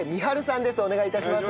お願い致します。